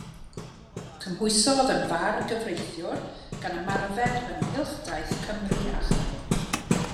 Cymhwysodd yn fargyfreithiwr gan ymarfer yng Nghylchdaith Cymru a Chaer.